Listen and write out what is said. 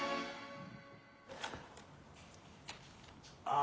あ。